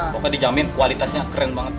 pokoknya dijamin kualitasnya keren banget